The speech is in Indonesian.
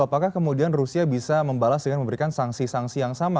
apakah kemudian rusia bisa membalas dengan memberikan sanksi sanksi yang sama